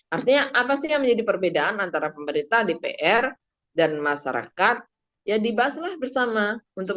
artinya apa sih yang menjadi perbedaan antara pemerintahan ppr trasverdaani dan masyarakat